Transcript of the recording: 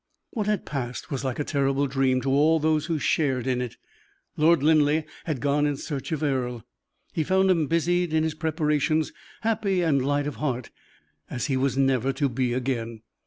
What had passed was like a terrible dream to all those who shared in it. Lord Linleigh had gone in search of Earle. He found him busied in his preparations; happy and light of heart, as he was never to be again.